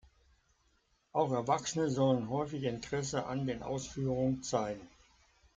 Auch Erwachsene sollen häufig Interesse an den Ausführungen zeigen.